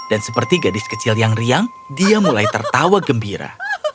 dan seperti gadis kecil yang riang dia mulai tertawa gembira